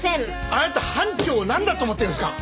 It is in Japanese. あなた班長をなんだと思ってるんですか？